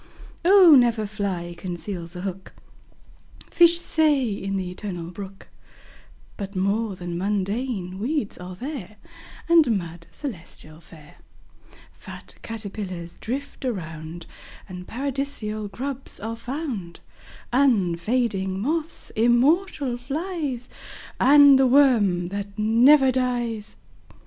Oh! never fly conceals a hook, Fish say, in the Eternal Brook, But more than mundane weeds are there, And mud, celestially fair; Fat caterpillars drift around, And Paradisal grubs are found; Unfading moths, immortal flies, And the worm that never dies.